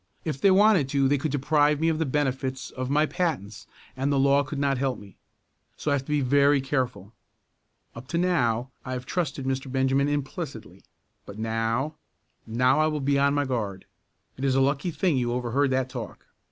If they wanted to they could deprive me of the benefits of my patents and the law could not help me. So I have to be very careful. Up to now I have trusted Mr. Benjamin implicitly, but now now I will be on my guard. It is a lucky thing you overheard that talk."